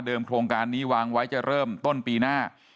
โครงการนี้วางไว้จะเริ่มต้นปีหน้า